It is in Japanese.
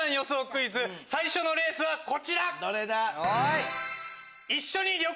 クイズ最初のレースはこちら！